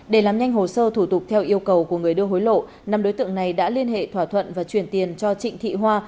để làm nhanh hồ sơ thủ tục theo yêu cầu của người đưa hối lộ năm đối tượng này đã liên hệ thỏa thuận và chuyển tiền cho trịnh thị hoa